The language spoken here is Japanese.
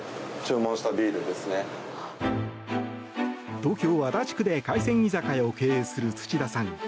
東京・足立区で海鮮居酒屋を経営する土田さん。